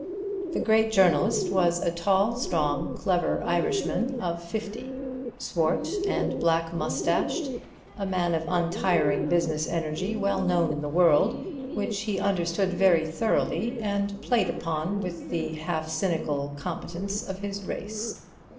The great journalist was a tall, strong, clever Irishman of fifty, swart and black mustached, a man of untiring business energy, well known in the world, which he understood very thoroughly, and played upon with the half cynical competence of his race.